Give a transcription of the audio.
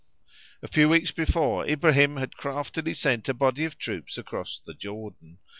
A few weeks before Ibrahim had craftily sent a body of troops across the Jordan.